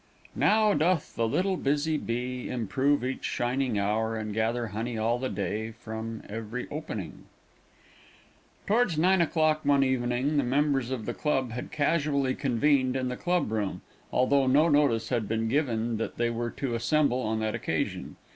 Now doth the little busy bee Improve each shining hour And gather honey all the day From every opening TOWARDS nine o'clock one evening, the members of the club had casually convened in the club room, although no notice had been given that they were to assemble on that occasion.